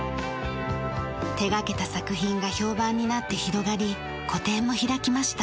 手がけた作品が評判になって広がり個展も開きました。